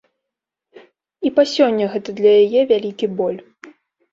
І па сёння гэта для яе вялікі боль.